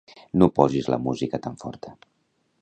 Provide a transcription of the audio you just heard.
No posis la música tan forta.